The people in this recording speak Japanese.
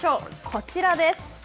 こちらです。